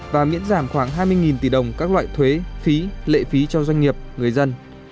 và miễn giảm khoảng hai mươi tỷ đồng các loại thuế phí lệ phí cho doanh nghiệp người dân